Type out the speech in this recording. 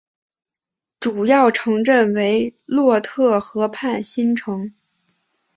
主要城镇为洛特河畔新城。